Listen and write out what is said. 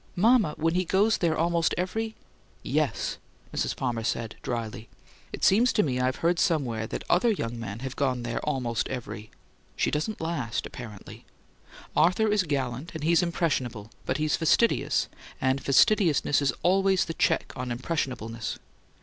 "Mama! When he goes there almost every " "Yes," Mrs. Palmer said, dryly. "It seems to me I've heard somewhere that other young men have gone there 'almost every!' She doesn't last, apparently. Arthur's gallant, and he's impressionable but he's fastidious, and fastidiousness is always the check on impressionableness.